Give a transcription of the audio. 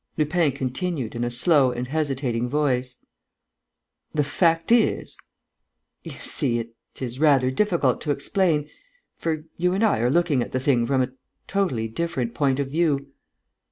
Lupin continued, in a slow and hesitating voice: "The fact is ... you see ... it is rather difficult to explain ... for you and I are looking at the thing from a totally different point of view."